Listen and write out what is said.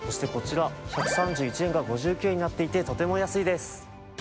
こちら１３１円が安くなっていて、とても安いです。